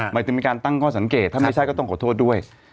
หมายถึงมีการตั้งข้อสังเกตถ้าไม่ใช่ก็ต้องขอโทษด้วย